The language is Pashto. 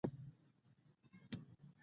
جنراتور حرکت په برېښنا بدلوي.